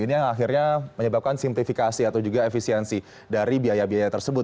ini yang akhirnya menyebabkan simptifikasi atau juga efisiensi dari biaya biaya tersebut